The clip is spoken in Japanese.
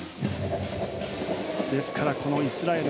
ですから、イスラエル